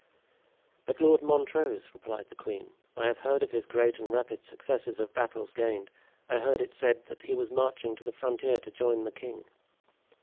"But Lord Montrose," replied the queen, "I have heard of his great and rapid successes of battles gained. I heard it said that he was marching to the frontier to join the king."